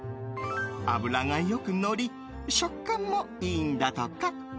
脂がよくのり食感もいいんだとか。